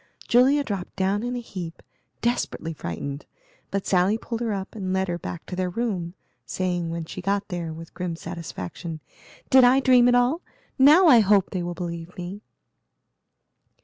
Julia dropped down in a heap, desperately frightened, but Sally pulled her up and led her back to their room, saying, when she got there, with grim satisfaction, "Did I dream it all? Now I hope they will believe me."